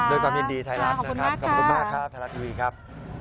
ด้วยความยินดีไทยรัฐนะครับ